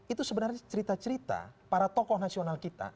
itu sebenarnya cerita cerita para tokoh nasional kita